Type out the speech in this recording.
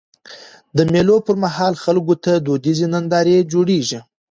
د مېلو پر مهال خلکو ته دودیزي نندارې جوړيږي.